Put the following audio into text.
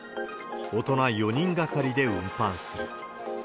大人４人がかりで運搬する。